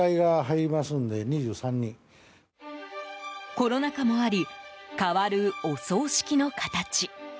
コロナ禍もあり変わるお葬式の形。